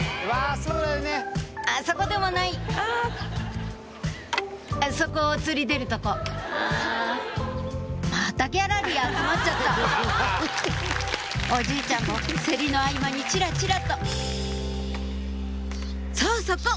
そこでもないそこお釣り出るとこまたギャラリー集まっちゃったおじいちゃんも競りの合間にチラチラとそうそこ！